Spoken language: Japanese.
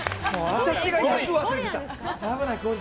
私が役忘れてた。